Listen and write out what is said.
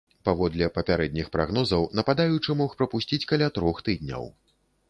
Паводле папярэдніх прагнозаў, нападаючы мог прапусціць каля трох тыдняў.